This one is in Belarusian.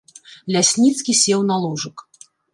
Лясніцкі сеў на ложак.